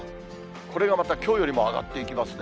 これがまたきょうよりも上がっていきますね。